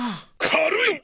軽い！